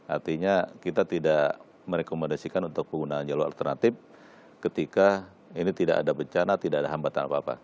artinya kita tidak merekomendasikan untuk penggunaan jalur alternatif ketika ini tidak ada bencana tidak ada hambatan apa apa